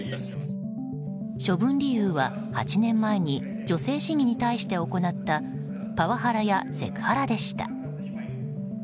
処分理由は、８年前に女性市議に対して行ったパワハラやセクハラでした。